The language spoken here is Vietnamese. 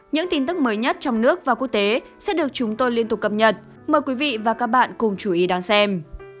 những tin tức mới nhất trong nước và quốc tế sẽ được chúng tôi liên tục cập nhật mời quý vị và các bạn cùng chú ý đón xem